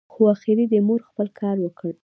خو اخر دي مور خپل کار وکړ !